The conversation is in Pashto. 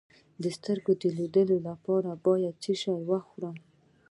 د سترګو د لید لپاره باید څه شی وخورم؟